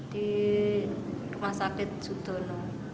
di rumah sakit sudono